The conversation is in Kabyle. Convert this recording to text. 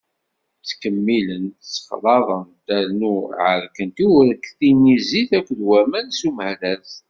Ttkemmilent, sexlaḍent, rnu εerkent i urekti-nni zzit akked waman s umehraz.